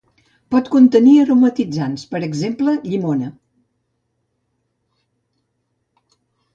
Pot contenir aromatitzants, per exemple llimona.